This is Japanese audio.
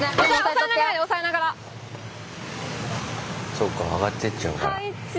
そうか上がってっちゃうから。